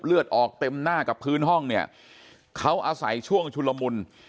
เลือดออกเต็มหน้ากับพื้นห้องเนี่ยเขาอาศัยช่วงชุลมุน